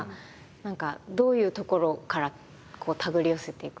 何かどういうところから手繰り寄せていく。